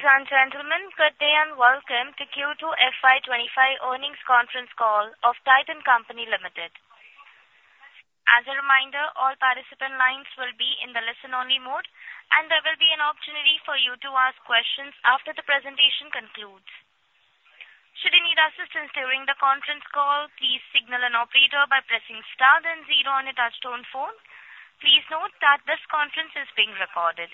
Ladies and gentlemen, good day and welcome to Q2 FY25 Earnings Conference Call of Titan Company Limited. As a reminder, all participant lines will be in the listen-only mode, and there will be an opportunity for you to ask questions after the presentation concludes. Should you need assistance during the conference call, please signal an operator by pressing star then zero on your touchtone phone. Please note that this conference is being recorded.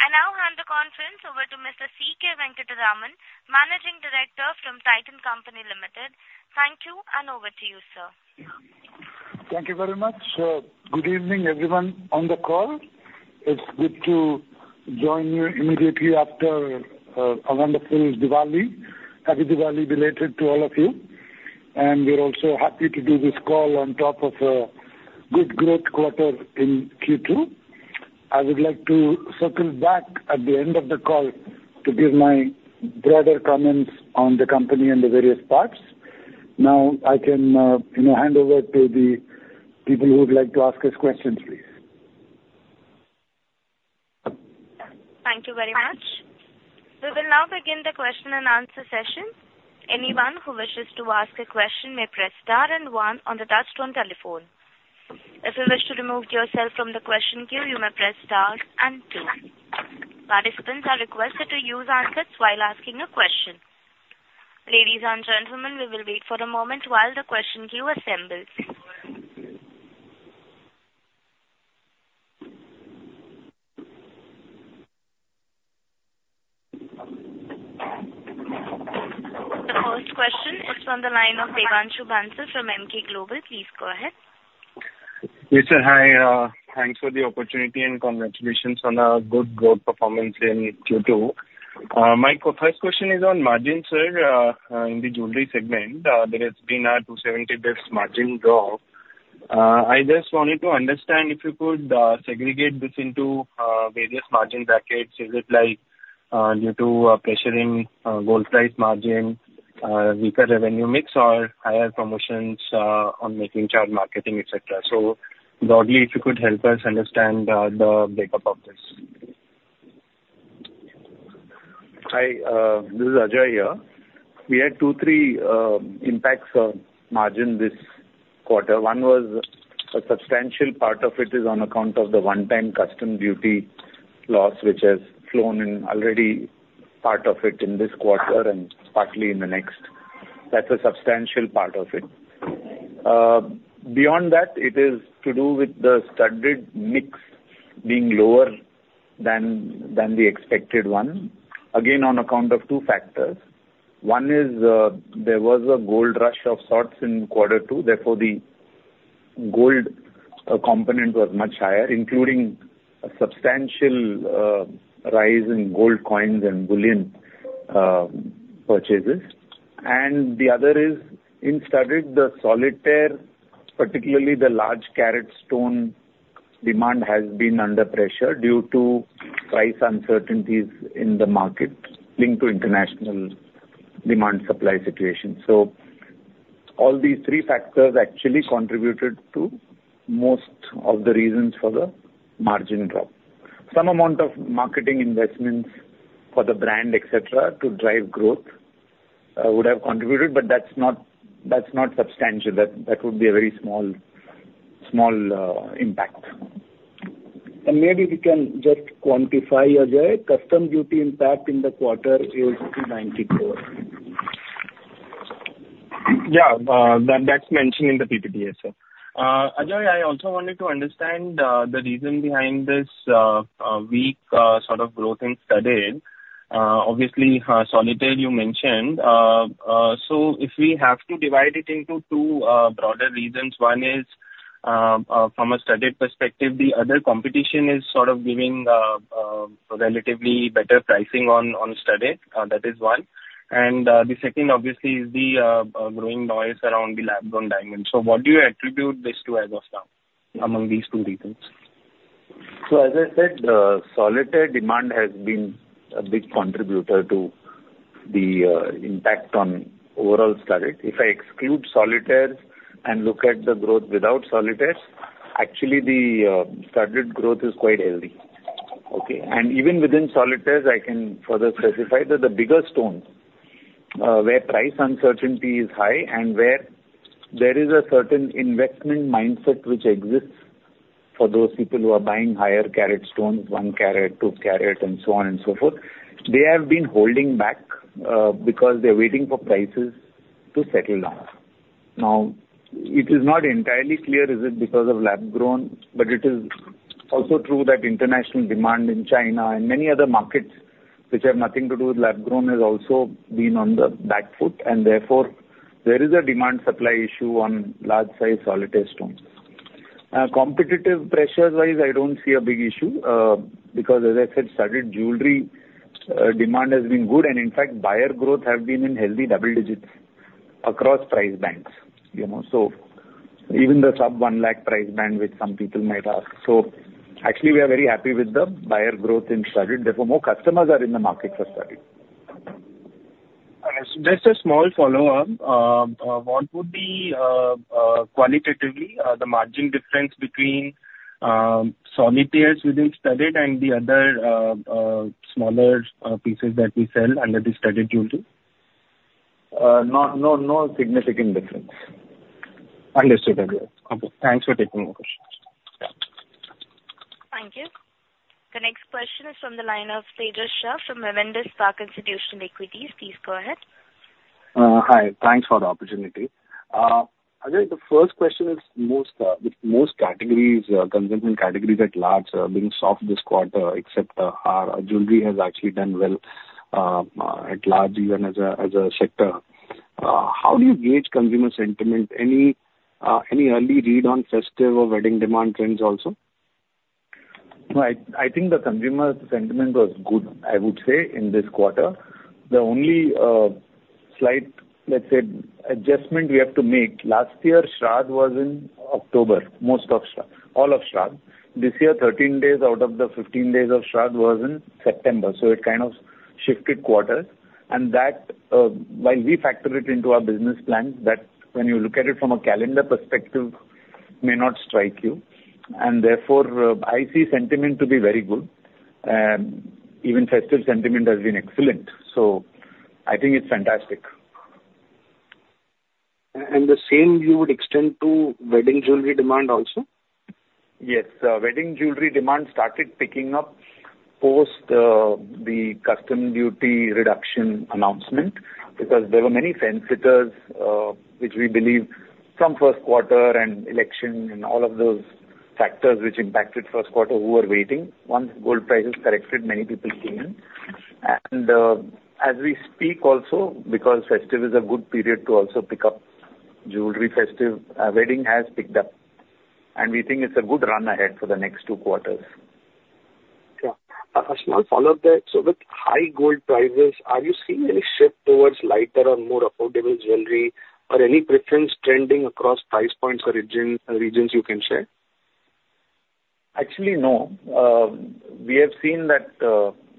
I now hand the conference over to Mr. C. K. Venkataraman, Managing Director from Titan Company Limited. Thank you, and over to you, sir. Thank you very much. Good evening, everyone on the call. It's good to join you immediately after a wonderful Diwali. Happy Diwali belated to all of you. And we're also happy to do this call on top of a good growth quarter in Q2. I would like to circle back at the end of the call to give my broader comments on the company and the various parts. Now, I can hand over to the people who would like to ask us questions, please. Thank you very much. We will now begin the question and answer session. Anyone who wishes to ask a question may press star and one on the touchtone telephone. If you wish to remove yourself from the question queue, you may press star and two. Participants are requested to use handsets while asking a question. Ladies and gentlemen, we will wait for a moment while the question queue assembles. The first question is from the line of Devanshu Bansal from Emkay Global. Please go ahead. Yes, sir. Hi. Thanks for the opportunity and congratulations on a good growth performance in Q2. My first question is on margin, sir. In the jewelry segment, there has been a 270 basis points margin drop. I just wanted to understand if you could segregate this into various margin brackets. Is it due to a pressure in gold price margin, weaker revenue mix, or higher promotions on making charges, marketing, etc.? So broadly, if you could help us understand the breakup of this. Hi. This is Ajoy here. We had two, three impacts on margin this quarter. One was a substantial part of it is on account of the one-time customs duty loss, which has flown in already part of it in this quarter and partly in the next. That's a substantial part of it. Beyond that, it is to do with the studded mix being lower than the expected one, again on account of two factors. One is there was a gold rush of sorts in quarter two. Therefore, the gold component was much higher, including a substantial rise in gold coins and bullion purchases. And the other is instead of the solitaire, particularly the large carat stone, demand has been under pressure due to price uncertainties in the market linked to international demand supply situation. So all these three factors actually contributed to most of the reasons for the margin drop. Some amount of marketing investments for the brand, etc., to drive growth would have contributed, but that's not substantial. That would be a very small impact. Maybe we can just quantify, Ajoy, customs duty impact in the quarter is 94. Yeah. That's mentioned in the PPT, yes, Sir. Ajoy, I also wanted to understand the reason behind this weak sort of growth in studded. Obviously, solitaire, you mentioned. So if we have to divide it into two broader reasons, one is from a studded perspective. The other competition is sort of giving relatively better pricing on studded. That is one. And the second, obviously, is the growing noise around the lab-grown diamonds. So what do you attribute this to as of now among these two reasons? So as I said, the solitaire demand has been a big contributor to the impact on overall studded. If I exclude solitaire and look at the growth without solitaire, actually, the studded growth is quite heavy. Okay? And even within solitaire, I can further specify that the bigger stones where price uncertainty is high and where there is a certain investment mindset which exists for those people who are buying higher carat stones, one carat, two carat, and so on and so forth, they have been holding back because they're waiting for prices to settle down. Now, it is not entirely clear, is it, because of lab-grown, but it is also true that international demand in China and many other markets which have nothing to do with lab-grown has also been on the back foot. And therefore, there is a demand supply issue on large-sized solitaire stones. Competitive pressures-wise, I don't see a big issue because, as I said, studded jewelry demand has been good. And in fact, buyer growth has been in healthy double digits across price bands. So even the sub-1 lakh price band, which some people might ask. So actually, we are very happy with the buyer growth in studded. Therefore, more customers are in the market for studded. Just a small follow-up. What would be qualitatively the margin difference between solitaire within studded and the other smaller pieces that we sell under the studded jewelry? No significant difference. Understood. Okay. Thanks for taking my question. Thank you. The next question is from the line of Tejas Shah from Avendus Spark Institutional Equities. Please go ahead. Hi. Thanks for the opportunity. Ajoy, the first question is most categories, consumer categories at large are being soft this quarter, except jewelry has actually done well at large even as a sector. How do you gauge consumer sentiment? Any early read on festive or wedding demand trends also? Right. I think the consumer sentiment was good, I would say, in this quarter. The only slight, let's say, adjustment we have to make last year, Shradh was in October, most of Shradh, all of Shradh. This year, 13 days out of the 15 days of Shradh was in September. So it kind of shifted quarters. And while we factor it into our business plan, that when you look at it from a calendar perspective, it may not strike you. And therefore, I see sentiment to be very good. Even festive sentiment has been excellent. So I think it's fantastic. The same you would extend to wedding jewelry demand also? Yes. Wedding jewelry demand started picking up post the customs duty reduction announcement because there were many fence-sitters which we believe from first quarter and election and all of those factors which impacted first quarter who were waiting. Once gold prices corrected, many people came in, and as we speak also, because festive is a good period to also pick up jewelry, festive wedding has picked up, and we think it's a good run ahead for the next two quarters. Yeah. I'll follow up there. So with high gold prices, are you seeing any shift towards lighter or more affordable jewelry or any preference trending across price points or regions you can share? Actually, no. We have seen that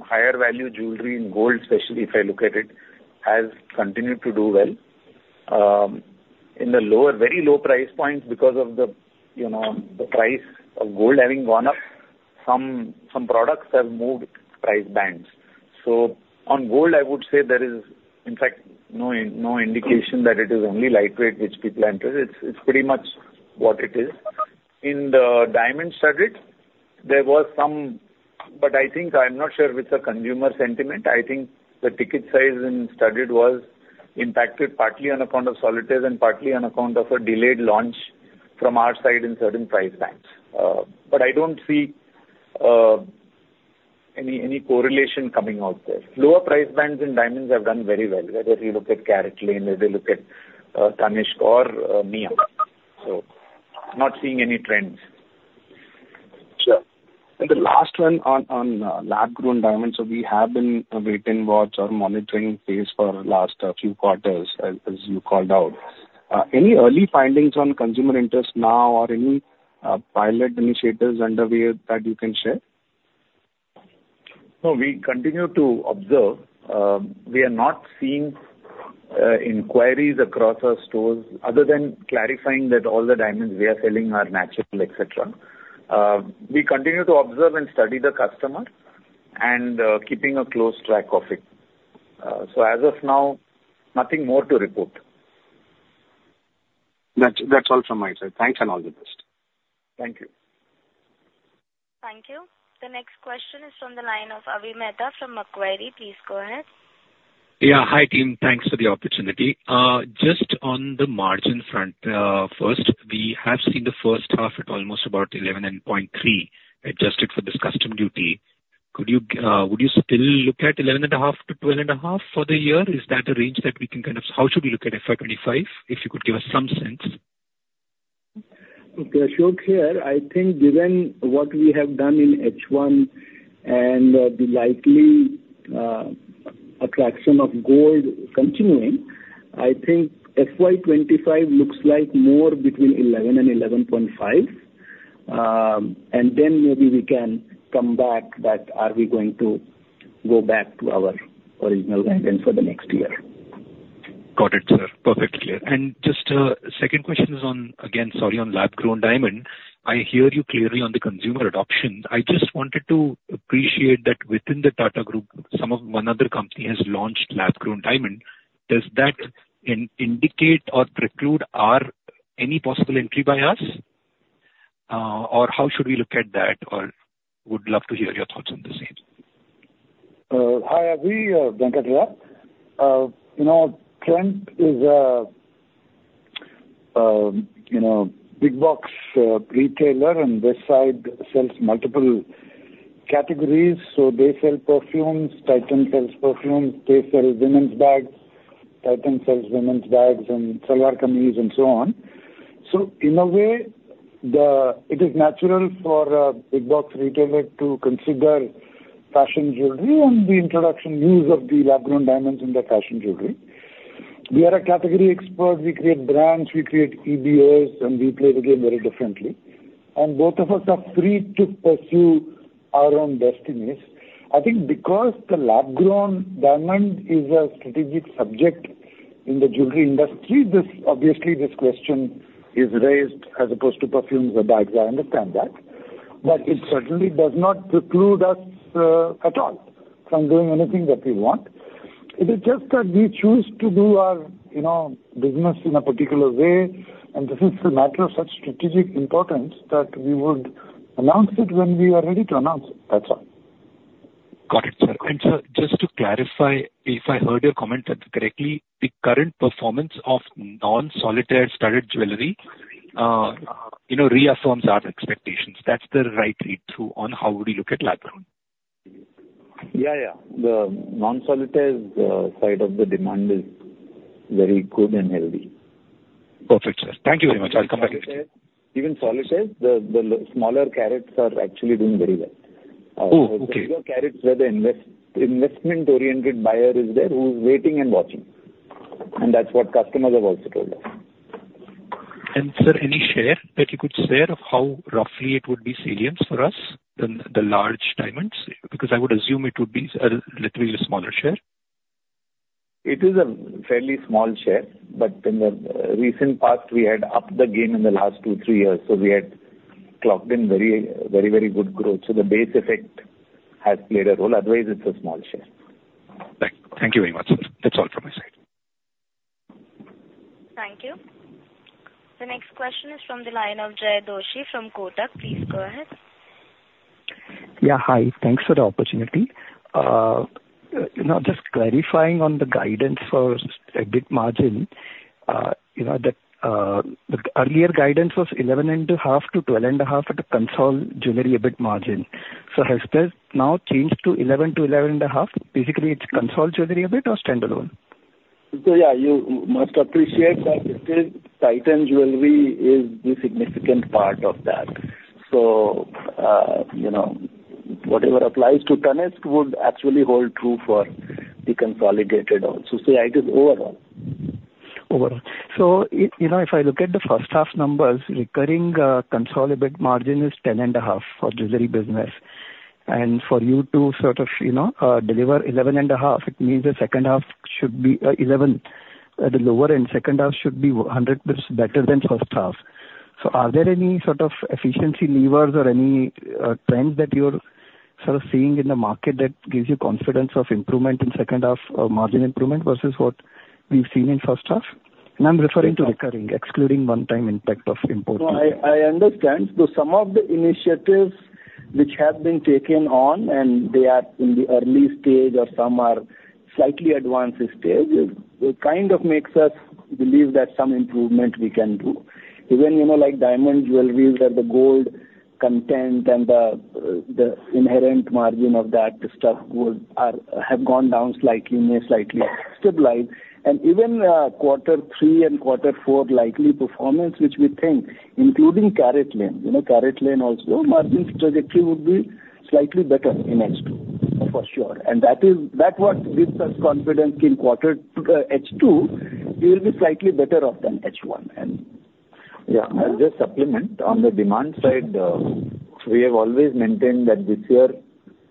higher value jewelry in gold, especially if I look at it, has continued to do well. In the lower, very low price points because of the price of gold having gone up, some products have moved price bands. So on gold, I would say there is, in fact, no indication that it is only lightweight, which people enter. It's pretty much what it is. In the diamond studded, there was some, but I think I'm not sure with the consumer sentiment. I think the ticket size in studded was impacted partly on account of solitaire and partly on account of a delayed launch from our side in certain price bands. But I don't see any correlation coming out there. Lower price bands in diamonds have done very well. Whether you look at CaratLane, whether you look at Tanishq, Mia. So not seeing any trends. Sure, and the last one on lab-grown diamonds, so we have been wait and watch or monitoring the pace for the last few quarters, as you called out. Any early findings on consumer interest now or any pilot initiatives underway that you can share? No, we continue to observe. We are not seeing inquiries across our stores other than clarifying that all the diamonds we are selling are natural, etc. We continue to observe and study the customer and keeping a close track of it. So as of now, nothing more to report. That's all from my side. Thanks and all the best. Thank you. Thank you. The next question is from the line of Avi Mehta from Macquarie. Please go ahead. Yeah. Hi, team. Thanks for the opportunity. Just on the margin front first, we have seen the first half at almost about 11.3% adjusted for this customs duty. Would you still look at 11.5%-12.5% for the year? Is that a range that we can kind of how should we look at FY25 if you could give us some sense? Okay. I think given what we have done in H1 and the likely attraction of gold continuing, I think FY25 looks like more between 11 and 11.5. And then maybe we can come back that are we going to go back to our original guidance for the next year. Got it, sir. Perfectly clear. And just a second question is on, again, sorry, on lab-grown diamond. I hear you clearly on the consumer adoption. I just wanted to appreciate that within the Tata Group, one other company has launched lab-grown diamond. Does that indicate or preclude any possible entry by us? Or how should we look at that? Or would love to hear your thoughts on the same. Hi, Avi Mehta. Trent is a big box retailer and they sell multiple categories. So they sell perfumes. Titan sells perfumes. They sell women's bags. Titan sells women's bags and salwar kameez and so on. So in a way, it is natural for a big box retailer to consider fashion jewelry and the introduction use of the lab-grown diamonds in their fashion jewelry. We are a category expert. We create brands. We create EBOs, and we play the game very differently. And both of us are free to pursue our own destinies. I think because the lab-grown diamond is a strategic subject in the jewelry industry, obviously, this question is raised as opposed to perfumes or bags. I understand that. But it certainly does not preclude us at all from doing anything that we want. It is just that we choose to do our business in a particular way. This is a matter of such strategic importance that we would announce it when we are ready to announce it. That's all. Got it, sir. And sir, just to clarify, if I heard your comment correctly, the current performance of non-solitaire studded jewelry reaffirms our expectations. That's the right read through on how would you look at lab-grown? Yeah, yeah. The non-solitaire side of the demand is very good and healthy. Perfect, sir. Thank you very much. I'll come back to it. Even Solitaire, the smaller carats are actually doing very well. So the bigger carats, whether investment-oriented buyer is there, who's waiting and watching. And that's what customers have also told us. Sir, any share that you could share of how roughly it would be salience for us, the large diamonds? Because I would assume it would be a little bit smaller share. It is a fairly small share. But in the recent past, we had upped the game in the last two, three years. So we had clocked in very, very good growth. So the base effect has played a role. Otherwise, it's a small share. Thank you very much, sir. That's all from my side. Thank you. The next question is from the line of Jay Doshi from Kotak. Please go ahead. Yeah. Hi. Thanks for the opportunity. Just clarifying on the guidance for EBIT margin. The earlier guidance was 11.5%-12.5% at the consolidated jewelry EBIT margin. So has that now changed to 11%-11.5%? Basically, it's consolidated jewelry EBIT or standalone? Yeah, you must appreciate that it is Titan jewelry is the significant part of that. So whatever applies to Tanishq would actually hold true for the consolidated also. So it is overall. Overall. So if I look at the first half numbers, recurring EBIT margin is 10.5% for jewelry business. And for you to sort of deliver 11.5%, it means the second half should be 11%. The lower end, second half should be 100% better than first half. So are there any sort of efficiency levers or any trends that you're sort of seeing in the market that gives you confidence of improvement in second half margin improvement versus what we've seen in first half? And I'm referring to recurring, excluding one-time impact of import. I understand. So some of the initiatives which have been taken on, and they are in the early stage or some are slightly advanced stage, kind of makes us believe that some improvement we can do. Even like diamond jewelry that the gold content and the inherent margin of that stuff have gone down slightly, may slightly stabilize. And even quarter three and quarter four likely performance, which we think, including CaratLane, CaratLane also margin trajectory would be slightly better in H2 for sure. And that's what gives us confidence in quarter H2; it will be slightly better off than H1. And yeah, I'll just supplement on the demand side. We have always maintained that this year,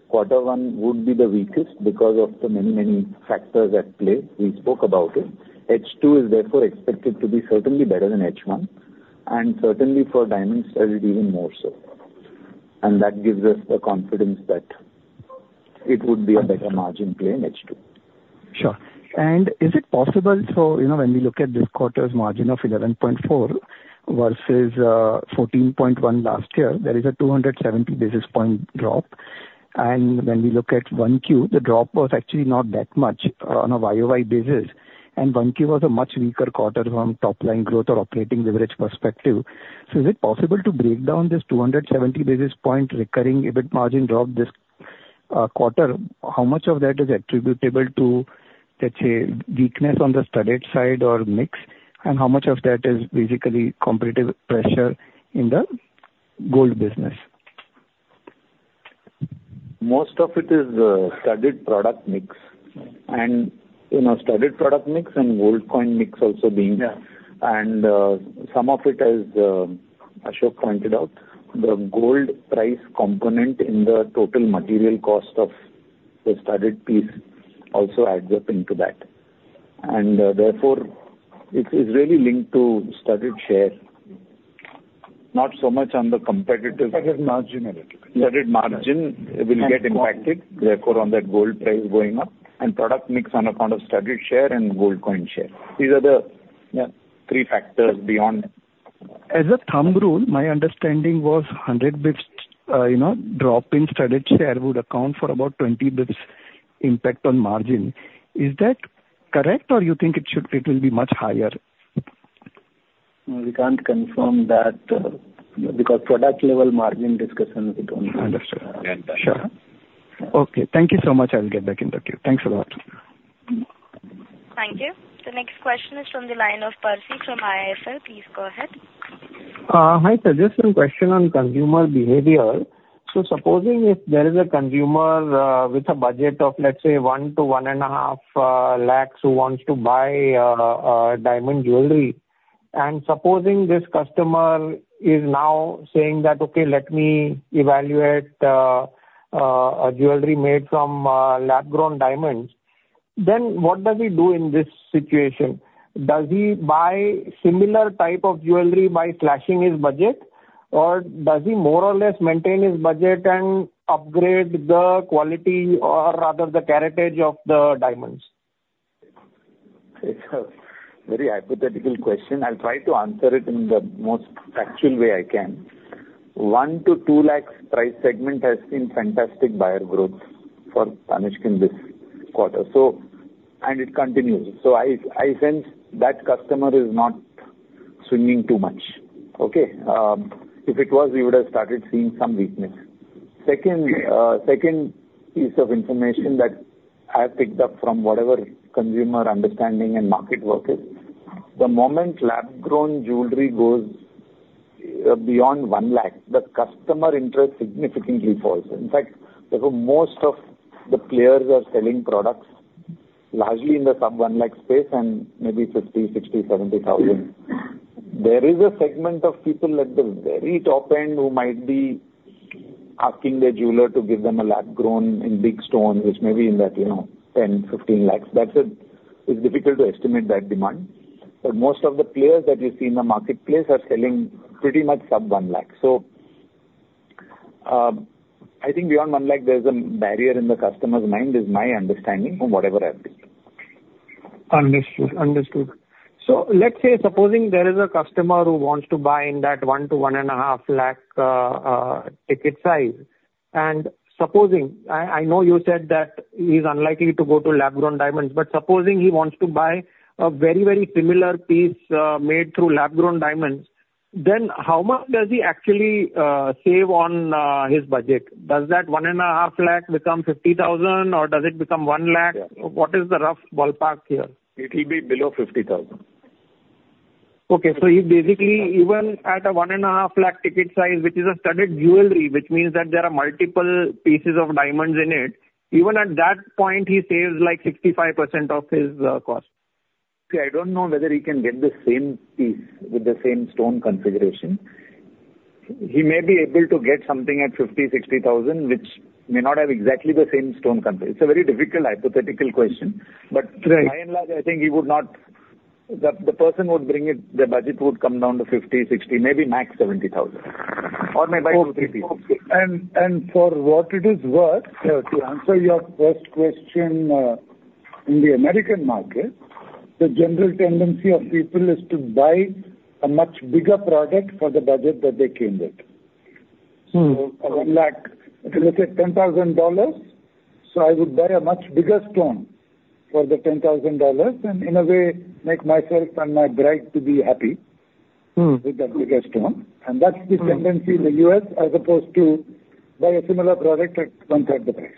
quarter one would be the weakest because of the many, many factors at play. We spoke about it. H2 is therefore expected to be certainly better than H1. Certainly for diamonds, even more so. That gives us the confidence that it would be a better margin play in H2. Sure. And is it possible? So when we look at this quarter's margin of 11.4 versus 14.1 last year, there is a 270 basis points drop. And when we look at 1Q, the drop was actually not that much on a YOY basis. And 1Q was a much weaker quarter from top-line growth or operating leverage perspective. So is it possible to break down this 270 basis points recurring EBIT margin drop this quarter? How much of that is attributable to, let's say, weakness on the studded side or mix? And how much of that is basically competitive pressure in the gold business? Most of it is studded product mix, and studded product mix and gold coin mix also being, and some of it, as Ashok pointed out, the gold price component in the total material cost of the studded piece also adds up into that, and therefore, it is really linked to studded share, not so much on the competitive. Studded margin a little bit. Studded margin will get impacted. Therefore, on that gold price going up and product mix on account of studded share and gold coin share. These are the three factors beyond. As a thumb rule, my understanding was 100 basis points drop in studded share would account for about 20 basis points impact on margin. Is that correct? Or you think it will be much higher? We can't confirm that because product-level margin discussion we don't do. Understood. Sure. Okay. Thank you so much. I'll get back in the queue. Thanks a lot. Thank you. The next question is from the line of Percy Panthaki from IIFL Securities. Please go ahead. Hi, sir. Just a question on consumer behavior. So supposing if there is a consumer with a budget of, let's say, 1-1.5 lakhs who wants to buy diamond jewelry. And supposing this customer is now saying that, "Okay, let me evaluate a jewelry made from lab-grown diamonds." Then what does he do in this situation? Does he buy similar type of jewelry by slashing his budget? Or does he more or less maintain his budget and upgrade the quality or rather the caratage of the diamonds? Very hypothetical question. I'll try to answer it in the most factual way I can. 1-2 lakhs price segment has seen fantastic buyer growth for Tanishq in this quarter. And it continues. So I sense that customer is not swinging too much. Okay. If it was, we would have started seeing some weakness. Second piece of information that I have picked up from whatever consumer understanding and market work is, the moment lab-grown jewelry goes beyond 1 lakh, the customer interest significantly falls. In fact, most of the players are selling products largely in the sub 1 lakh space and maybe 50, 60, 70 thousand. There is a segment of people at the very top end who might be asking their jeweler to give them a lab-grown in big stone, which may be in that 10, 15 lakhs. That's it. It's difficult to estimate that demand. But most of the players that you see in the marketplace are selling pretty much sub 1 lakh. So I think beyond 1 lakh, there's a barrier in the customer's mind, is my understanding from whatever I've seen. Understood. Understood. So let's say supposing there is a customer who wants to buy in that 1-1.5 lakh ticket size. And supposing I know you said that he's unlikely to go to lab-grown diamonds. But supposing he wants to buy a very, very similar piece made through lab-grown diamonds, then how much does he actually save on his budget? Does that 1.5 lakh become 50,000? Or does it become 1 lakh? What is the rough ballpark here? It will be below 50,000. Okay, so he basically, even at a 1.5 lakh ticket size, which is a studded jewelry, which means that there are multiple pieces of diamonds in it, even at that point, he saves like 65% of his cost. See, I don't know whether he can get the same piece with the same stone configuration. He may be able to get something at 50,000-60,000, which may not have exactly the same stone configuration. It's a very difficult hypothetical question. But by and large, I think he would not, the person would bring it, the budget would come down to 50,000-60,000, maybe max 70,000. Or maybe 2-3 pieces. And for what it is worth, to answer your first question, in the American market, the general tendency of people is to buy a much bigger product for the budget that they came with. So 1 lakh, let's say $10,000. So I would buy a much bigger stone for the $10,000 and in a way, make myself and my bride to be happy with that bigger stone. That's the tendency in the U.S. as opposed to buy a similar product at one-third the price.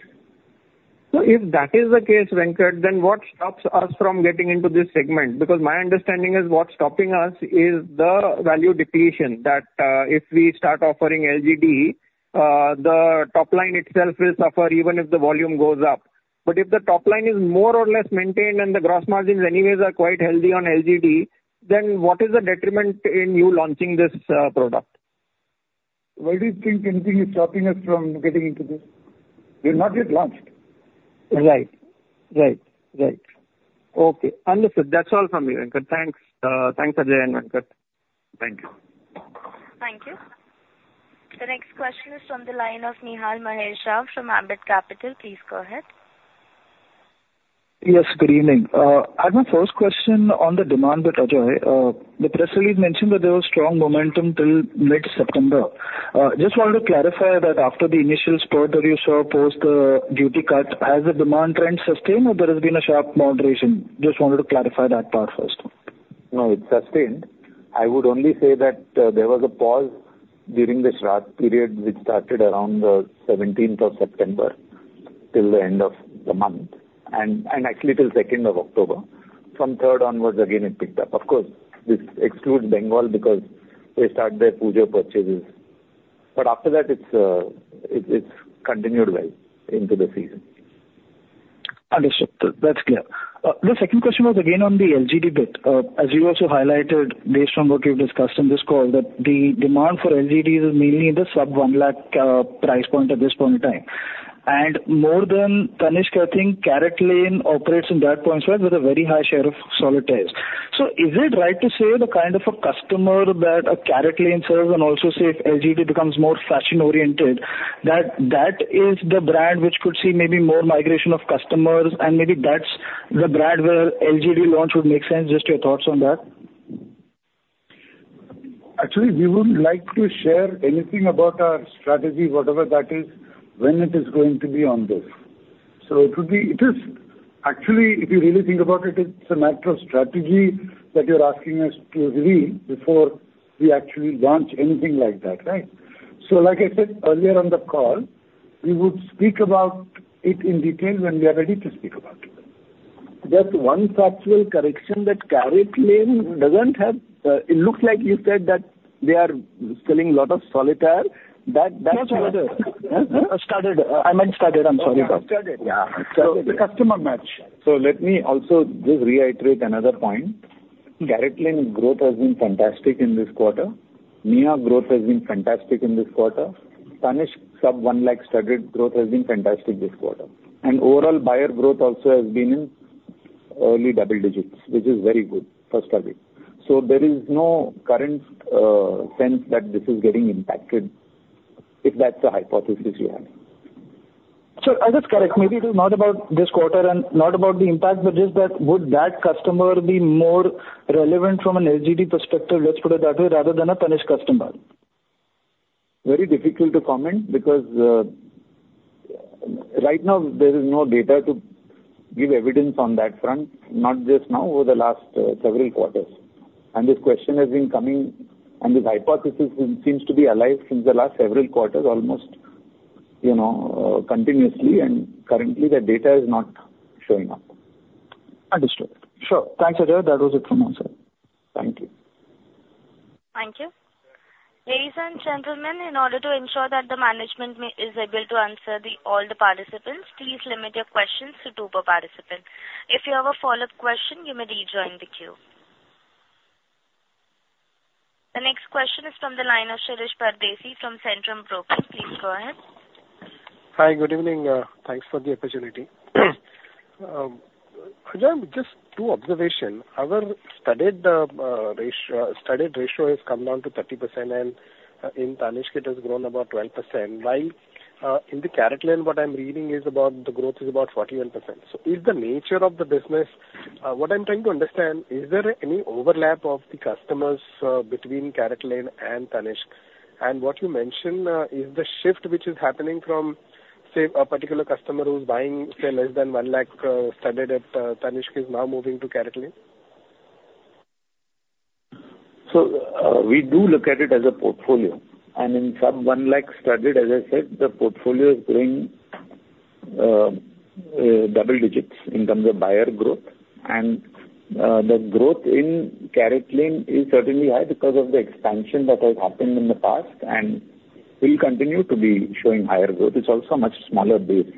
So if that is the case, Venkat, then what stops us from getting into this segment? Because my understanding is what's stopping us is the value depletion that if we start offering LGD, the top line itself will suffer even if the volume goes up. But if the top line is more or less maintained and the gross margins anyways are quite healthy on LGD, then what is the detriment in you launching this product? Why do you think anything is stopping us from getting into this? We're not yet launched. Right. Okay. Understood. That's all from me, Venkat. Thanks. Thanks again, Venkat. Thank you. Thank you. The next question is from the line of Nihal Mahesh Jha from Ambit Capital. Please go ahead. Yes, good evening. I have a first question on the demand bit, Ajoy. The press release mentioned that there was strong momentum till mid-September. Just wanted to clarify that after the initial spurt that you saw post the duty cut, has the demand trend sustained or there has been a sharp moderation? Just wanted to clarify that part first. No, it sustained. I would only say that there was a pause during the Shradh period, which started around the 17th of September till the end of the month, and actually till 2nd of October. From 3rd onwards, again, it picked up. Of course, this excludes Bengal because they start their puja purchases, but after that, it's continued well into the season. Understood. That's clear. The second question was again on the LGD bit. As you also highlighted, based on what you've discussed in this call, that the demand for LGD is mainly in the sub 1 lakh price point at this point in time. And more than Tanishq, I think CaratLane operates in that point as well with a very high share of solitaires. So is it right to say the kind of a customer that a CaratLane serves and also say if LGD becomes more fashion-oriented, that that is the brand which could see maybe more migration of customers and maybe that's the brand where LGD launch would make sense? Just your thoughts on that. Actually, we wouldn't like to share anything about our strategy, whatever that is, when it is going to be on this. So it is actually, if you really think about it, it's a matter of strategy that you're asking us to agree before we actually launch anything like that, right? So like I said earlier on the call, we would speak about it in detail when we are ready to speak about it. Just one factual correction that CaratLane doesn't have it. Looks like you said that they are selling a lot of solitaire. That's what it is. No, no. Studded. I meant studded. I'm sorry. Yeah. Studded. Customer match. So let me also just reiterate another point. CaratLane growth has been fantastic in this quarter. Mia growth has been fantastic in this quarter. Tanishq sub 1 lakh studded growth has been fantastic this quarter. And overall buyer growth also has been in early double digits, which is very good for studded. So there is no current sense that this is getting impacted if that's the hypothesis you have. So I'll just correct. Maybe it is not about this quarter and not about the impact, but just, would that customer be more relevant from an LGD perspective, let's put it that way, rather than a Tanishq customer? Very difficult to comment because right now, there is no data to give evidence on that front, not just now, over the last several quarters, and this question has been coming and this hypothesis seems to be alive since the last several quarters almost continuously, and currently, the data is not showing up. Understood. Sure. Thanks, Ajoy. That was it from my side. Thank you. Thank you. Ladies and gentlemen, in order to ensure that the management is able to answer all the participants, please limit your questions to two per participant. If you have a follow-up question, you may rejoin the queue. The next question is from the line of Shirish Pardeshi from Centrum Broking. Please go ahead. Hi, good evening. Thanks for the opportunity. Ajoy, just two observations. Our studded ratio has come down to 30% and in Tanishq it has grown about 12%. While in CaratLane, what I'm reading is about the growth is about 41%. So is the nature of the business what I'm trying to understand, is there any overlap of the customers between CaratLane and Tanishq? And what you mentioned, is the shift which is happening from, say, a particular customer who's buying, say, less than 1 lakh studded at Tanishq is now moving to CaratLane? So we do look at it as a portfolio. And in sub 1 lakh studded, as I said, the portfolio is going double digits in terms of buyer growth. And the growth in CaratLane is certainly high because of the expansion that has happened in the past and will continue to be showing higher growth. It's also a much smaller base.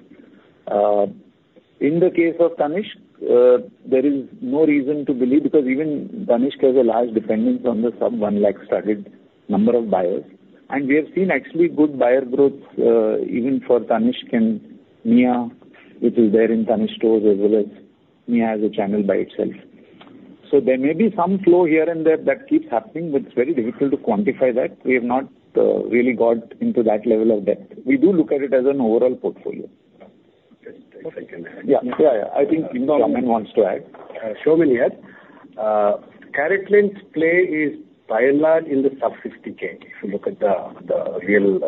In the case of Tanishq, there is no reason to believe because even Tanishq has a large dependence on the sub 1 lakh studded number of buyers. And we have seen actually good buyer growth even for Tanishq and Mia, which is there in Tanishq stores as well as Mia as a channel by itself. So there may be some flow here and there that keeps happening, but it's very difficult to quantify that. We have not really got into that level of depth. We do look at it as an overall portfolio. If I can add. Yeah. Yeah. Yeah. I think Venkat wants to add. So let me add. CaratLane's play is by and large in the sub 50K if you look at the real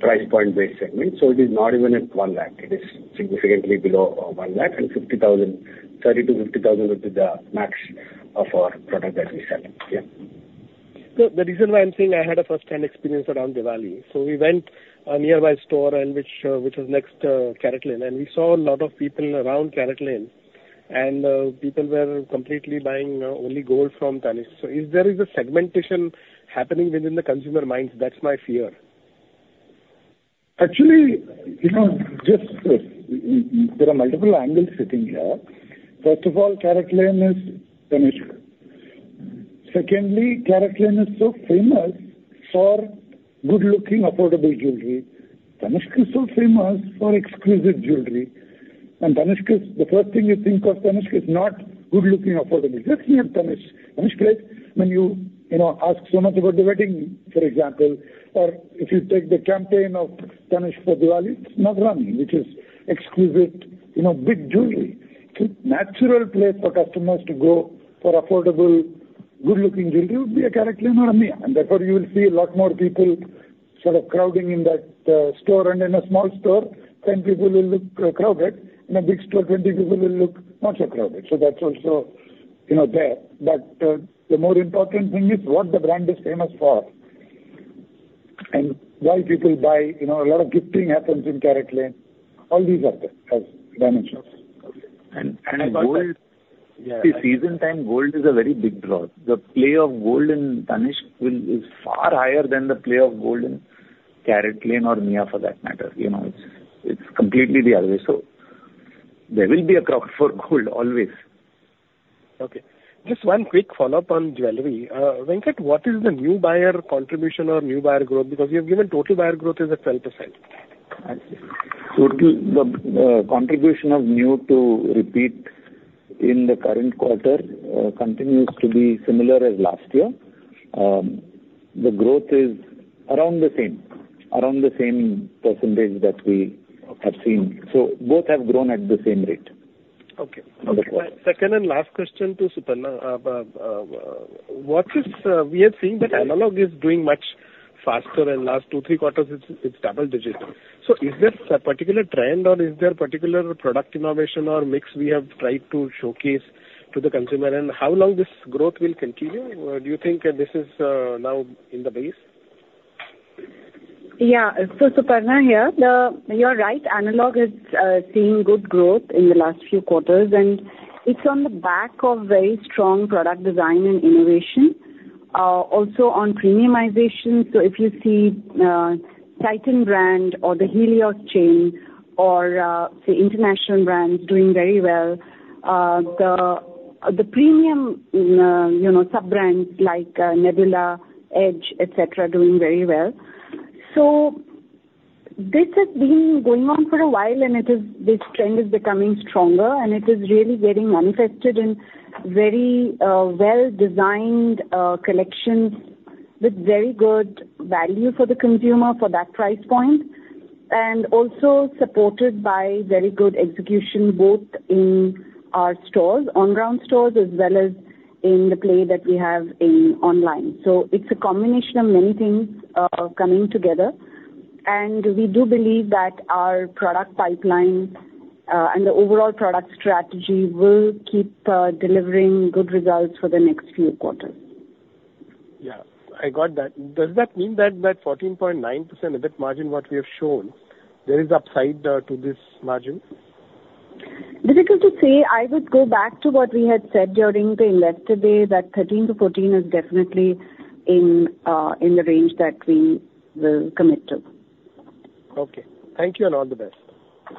price point-based segment. So it is not even at 1 lakh. It is significantly below 1 lakh and 30 to 50 thousand would be the max of our product that we sell. Yeah. So the reason why I'm saying I had a firsthand experience around Diwali. So we went to the nearby store which was next to CaratLane. And we saw a lot of people around CaratLane. And people were completely buying only gold from Tanishq. So is there a segmentation happening within the consumer minds? That's my fear. Actually, there are multiple angles sitting here. First of all, CaratLane is Tanishq. Secondly, CaratLane is so famous for good-looking affordable jewelry. Tanishq is so famous for exquisite jewelry. And Tanishq, the first thing you think of Tanishq is not good-looking affordable. That's not Tanishq. Tanishq, when you ask so much about the wedding, for example, or if you take the campaign of Tanishq for Diwali, it's necklace, which is exquisite, big jewelry. So natural place for customers to go for affordable, good-looking jewelry would be a CaratLane or a Mia. And therefore, you will see a lot more people sort of crowding in that store and in a small store, 10 people will look crowded. In a big store, 20 people will look not so crowded. So that's also there. But the more important thing is what the brand is famous for and why people buy. A lot of gifting happens in CaratLane. All these are there as dimensions. And gold. See, season time, gold is a very big draw. The play of gold in Tanishq is far higher than the play of gold in CaratLane or Mia for that matter. It's completely the other way. So there will be a crop for gold always. Okay. Just one quick follow-up on jewelry. Venkataraman, what is the new buyer contribution or new buyer growth? Because you have given total buyer growth is at 12%. Total contribution of new to repeat in the current quarter continues to be similar as last year. The growth is around the same, around the same percentage that we have seen. So both have grown at the same rate. Okay. Second and last question to Suparna. We have seen that analog is doing much faster and last two, three quarters, it's double digits. So is there a particular trend or is there a particular product innovation or mix we have tried to showcase to the consumer? And how long this growth will continue? Do you think this is now in the base? Yeah. For Suparna here, you're right. Analog is seeing good growth in the last few quarters. And it's on the back of very strong product design and innovation. Also on premiumization. So if you see Titan Brand or the Helios chain or, say, international brands doing very well, the premium sub-brands like Nebula, Edge, etc., doing very well. So this has been going on for a while and this trend is becoming stronger and it is really getting manifested in very well-designed collections with very good value for the consumer for that price point. And also supported by very good execution both in our stores, on-ground stores, as well as in the play that we have online. So it's a combination of many things coming together. And we do believe that our product pipeline and the overall product strategy will keep delivering good results for the next few quarters. Yeah. I got that. Does that mean that that 14.9% EBIT margin what we have shown, there is upside to this margin? Difficult to say. I would go back to what we had said during the investor day that 13%-14% is definitely in the range that we will commit to. Okay. Thank you and all the best.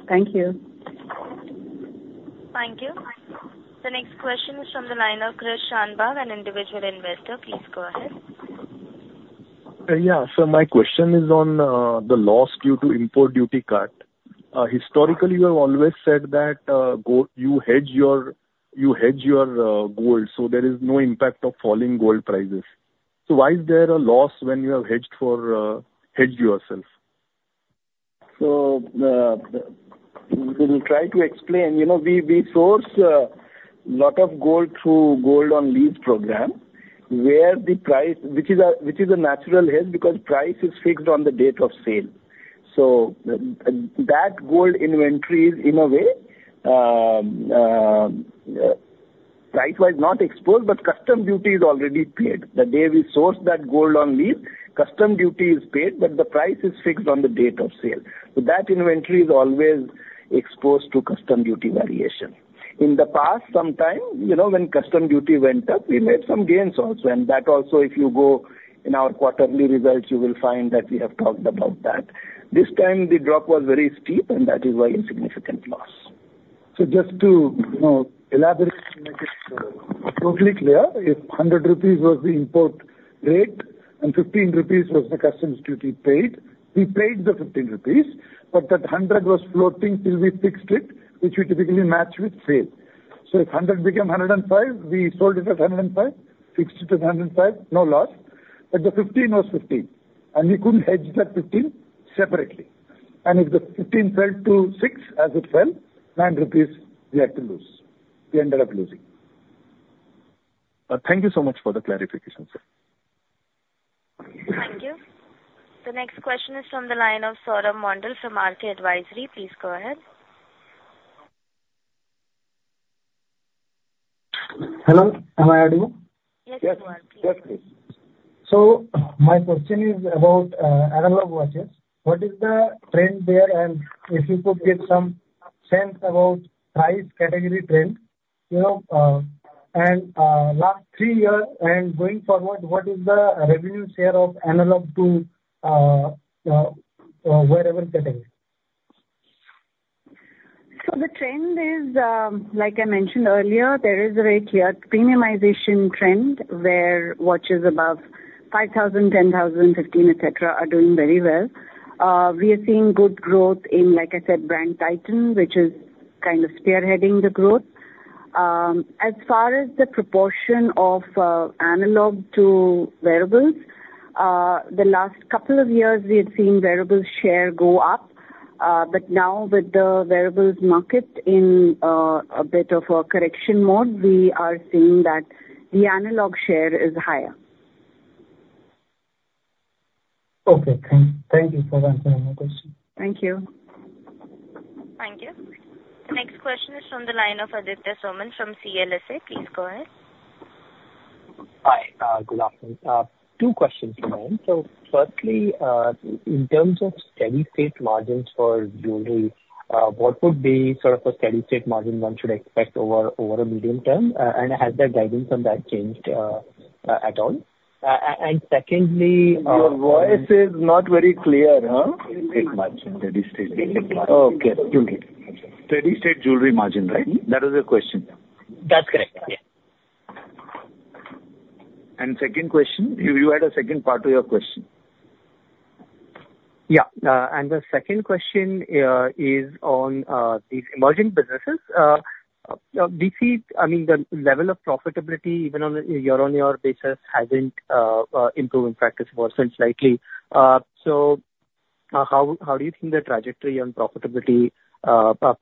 Thank you. Thank you. The next question is from the line of Krish Shanbhag, an individual investor. Please go ahead. Yeah. So my question is on the loss due to import duty cut. Historically, you have always said that you hedge your gold, so there is no impact of falling gold prices. So why is there a loss when you have hedged yourself? So we will try to explain. We source a lot of gold through Gold on Lease program where the price, which is a natural hedge because price is fixed on the date of sale. So that gold inventory is in a way price-wise not exposed, but customs duty is already paid. The day we source that gold on lease, customs duty is paid, but the price is fixed on the date of sale. So that inventory is always exposed to customs duty variation. In the past, sometime when customs duty went up, we made some gains also. And that also, if you go in our quarterly results, you will find that we have talked about that. This time, the drop was very steep and that is why a significant loss. So just to elaborate, make it totally clear. If 100 rupees was the import rate and 15 rupees was the customs duty paid, we paid the 15 rupees, but that 100 was floating till we fixed it, which we typically match with sale. So if 100 became 105, we sold it at 105, fixed it at 105, no loss. But the 15 was 15. And we couldn't hedge that 15 separately. And if the 15 fell to 6 as it fell, 9 rupees we had to lose. We ended up losing. Thank you so much for the clarification, sir. Thank you. The next question is from the line of Saurabh Mondal from RK Advisory. Please go ahead. Hello. Am I audible? Yes, you are. Please. Yes, please. So my question is about analog watches. What is the trend there and if you could get some sense about price category trend? And last three years and going forward, what is the revenue share of analog to whatever category? So the trend is, like I mentioned earlier, there is a very clear premiumization trend where watches above 5,000, 10,000, 15,000, etc. are doing very well. We are seeing good growth in, like I said, brand Titan, which is kind of spearheading the growth. As far as the proportion of analog to wearables, the last couple of years, we had seen wearables share go up. But now with the wearables market in a bit of a correction mode, we are seeing that the analog share is higher. Okay. Thank you for answering my question. Thank you. Thank you. The next question is from the line of Aditya Soman from CLSA. Please go ahead. Hi. Good afternoon. Two questions for me. So firstly, in terms of steady-state margins for jewelry, what would be sort of a steady-state margin one should expect over a medium term? And has the guidance on that changed at all? And secondly. Your voice is not very clear. Steady-state margin. Okay. Steady-state jewelry margin, right? That was your question. That's correct. Yeah. And second question, you had a second part to your question. Yeah. And the second question is on these emerging businesses. We see, I mean, the level of profitability even on a year-on-year basis hasn't improved in practice for some slightly. So how do you think the trajectory on profitability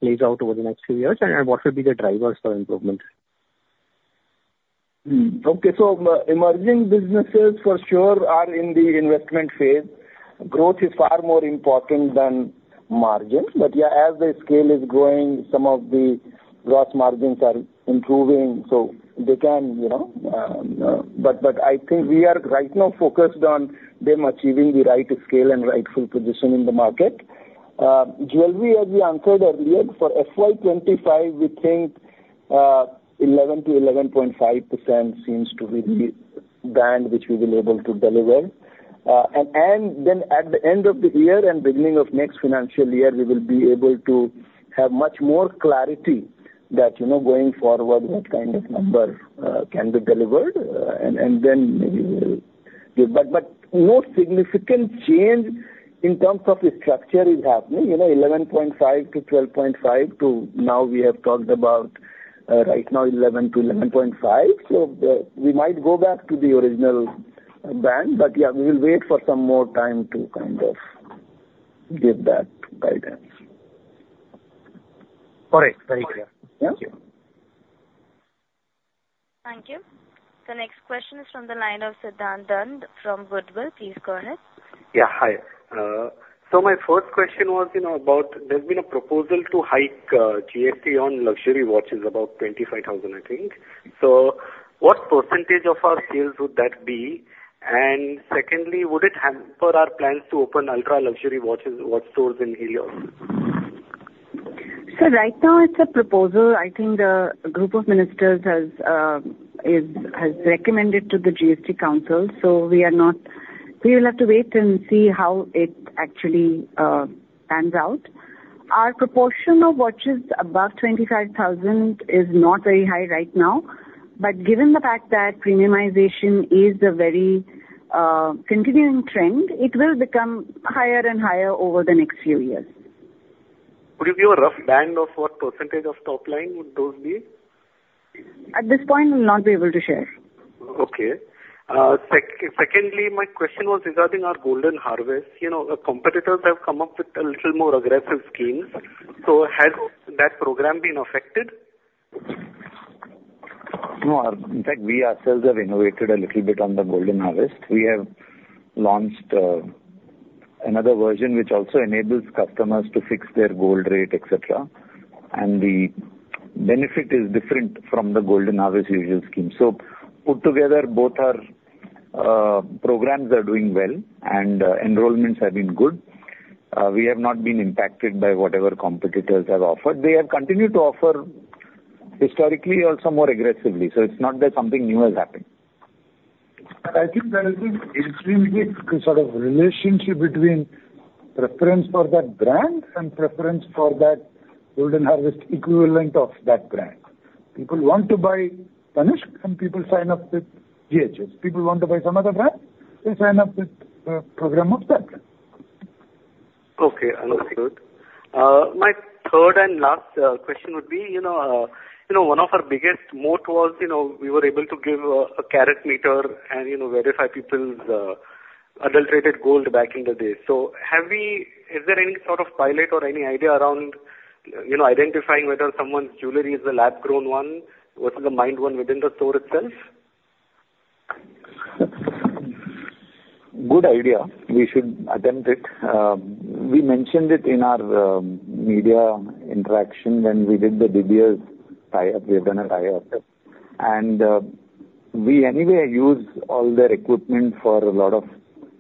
plays out over the next few years? And what would be the drivers for improvement? Okay. So emerging businesses for sure are in the investment phase. Growth is far more important than margin. But yeah, as the scale is growing, some of the gross margins are improving. So they can. But I think we are right now focused on them achieving the right scale and rightful position in the market. Jewelry, as you answered earlier, for FY25, we think 11%-11.5% seems to be the band which we will be able to deliver. And then at the end of the year and beginning of next financial year, we will be able to have much more clarity that going forward, what kind of number can be delivered. And then maybe we will give. But no significant change in terms of the structure is happening. 11.5%-12.5% to now we have talked about right now 11%-11.5%. So we might go back to the original band. But yeah, we will wait for some more time to kind of give that guidance. All right. Very clear. Thank you. Thank you. The next question is from the line of Siddhant Dand from Goodwill. Please go ahead. Yeah. Hi. So my first question was about, there's been a proposal to hike GST on luxury watches, about 25,000, I think. So what percentage of our sales would that be? And secondly, would it hamper our plans to open ultra-luxury watch stores in Helios? So right now, it's a proposal. I think the group of ministers has recommended to the GST Council. So we will have to wait and see how it actually pans out. Our proportion of watches above 25,000 is not very high right now. But given the fact that premiumization is a very continuing trend, it will become higher and higher over the next few years. Would it be a rough band of what % of top line would those be? At this point, we will not be able to share. Okay. Secondly, my question was regarding our Golden Harvest. Competitors have come up with a little more aggressive schemes. So has that program been affected? No. In fact, we ourselves have innovated a little bit on the Golden Harvest. We have launched another version which also enables customers to fix their gold rate, etc. And the benefit is different from the Golden Harvest usual scheme. So put together, both our programs are doing well and enrollments have been good. We have not been impacted by whatever competitors have offered. They have continued to offer historically or some more aggressively. So it's not that something new has happened. I think there is an intrinsic sort of relationship between preference for that brand and preference for that Golden Harvest equivalent of that brand. People want to buy Tanishq and people sign up with GHS. People want to buy some other brand, they sign up with the program of that. Okay. Understood. My third and last question would be one of our biggest moat was we were able to give a Karatmeter and verify people's adulterated gold back in the day. So is there any sort of pilot or any idea around identifying whether someone's jewelry is a lab-grown one versus a mined one within the store itself? Good idea. We should attempt it. We mentioned it in our media interaction when we did the De Beers tie-up. We have done a tie-up. And we anyway use all the equipment for a lot of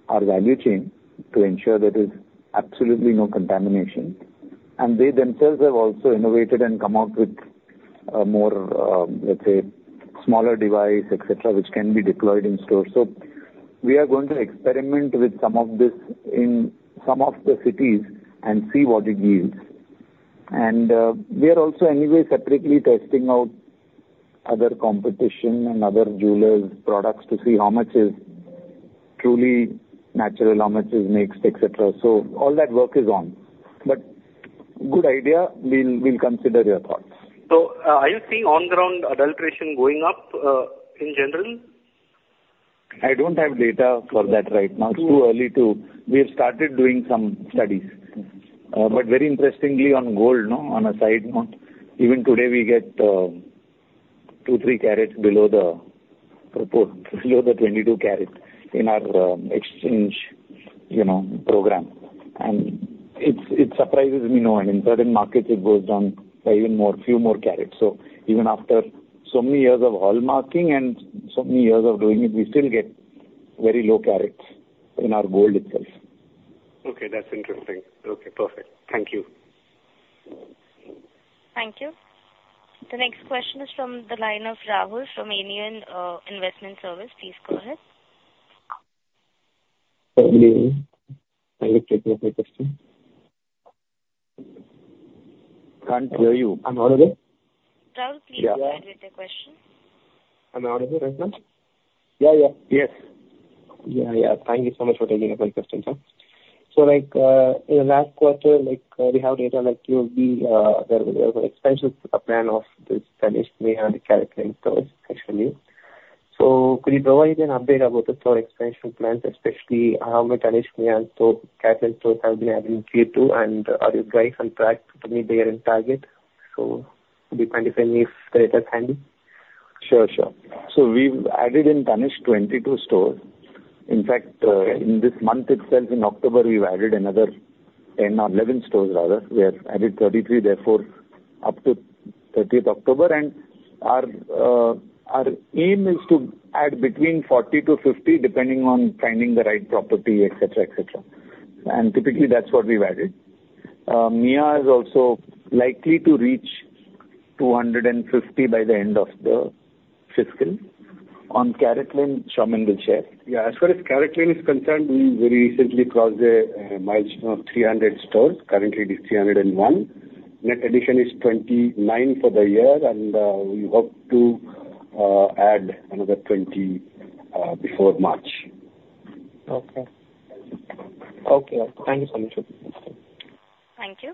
our value chain to ensure that there is absolutely no contamination. And they themselves have also innovated and come out with a more, let's say, smaller device, etc., which can be deployed in stores. So we are going to experiment with some of this in some of the cities and see what it yields. And we are also anyway separately testing out other competition and other jewelers' products to see how much is truly natural, how much is mixed, etc. So all that work is on. But good idea. We'll consider your thoughts. Are you seeing on-ground adulteration going up in general? I don't have data for that right now. It's too early. We have started doing some studies, but very interestingly, on gold, on a side note, even today we get two, three carats below the 22-karat in our exchange program, and it surprises me knowing in certain markets it goes down by even a few more carats, so even after so many years of hallmarking and so many years of doing it, we still get very low carats in our gold itself. Okay. That's interesting. Okay. Perfect. Thank you. Thank you. The next question is from the line of Rahul from Envision Capital Services. Please go ahead. Sorry, can you take my question? Can't hear you. I'm audible? Rahul, please go ahead with your question. Am I audible right now? Yeah, yeah. Yes. Yeah, yeah. Thank you so much for taking up my question. So in the last quarter, we have data that you will be there with your expansion plan of this Tanishq Mia and the CaratLane stores actually. So could you provide an update about the store expansion plans, especially how many Tanishq Mia store CaratLane stores have been adding Q2 and are you driving on track to meet the year-end target? So it would be kind of interesting if the data is handy. Sure, sure. So we've added in Tanishq 22 stores. In fact, in this month itself, in October, we've added another 10 or 11 stores rather. We have added 33, therefore up to 30th October. And our aim is to add between 40 to 50 depending on finding the right property, etc., etc. And typically that's what we've added. Mia is also likely to reach 250 by the end of the fiscal. On CaratLane, Venkataraman will share. Yeah. As far as CaratLane is concerned, we very recently crossed a milestone of 300 stores. Currently, it is 301. Net addition is 29 for the year, and we hope to add another 20 before March. Okay. Okay. Thank you so much. Thank you.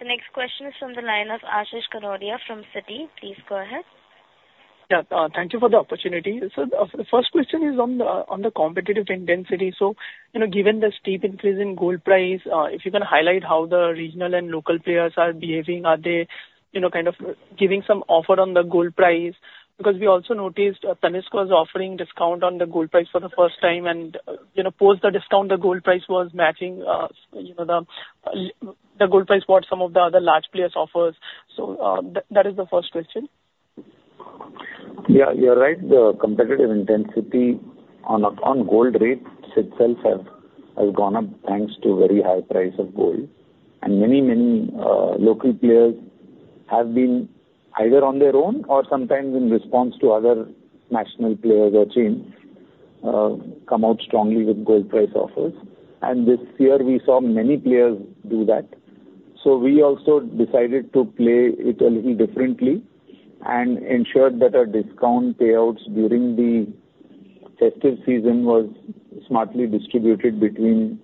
The next question is from the line of Ashish Kanodia from Citi. Please go ahead. Yeah. Thank you for the opportunity. So the first question is on the competitive intensity. So given the steep increase in gold price, if you can highlight how the regional and local players are behaving, are they kind of giving some offer on the gold price? Because we also noticed Tanishq was offering discount on the gold price for the first time and post the discount, the gold price was matching the gold price of some of the other large players' offers. So that is the first question. Yeah. You're right. The competitive intensity on gold rates itself has gone up thanks to very high price of gold. And many, many local players have been either on their own or sometimes in response to other national players or chains come out strongly with gold price offers. And this year we saw many players do that. So we also decided to play it a little differently and ensured that our discount payouts during the festive season was smartly distributed between